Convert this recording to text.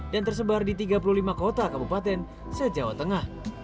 dan tersebar di tiga puluh lima kota kabupaten se jawa tengah